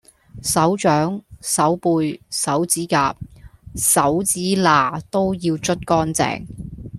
手掌、手背、手指甲、手指罅都要捽乾淨